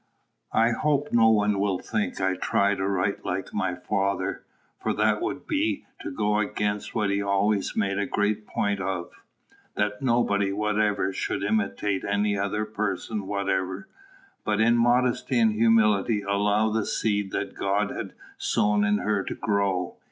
I hope no one will think I try to write like my father; for that would be to go against what he always made a great point of, that nobody whatever should imitate any other person whatever, but in modesty and humility allow the seed that God had sown in her to grow.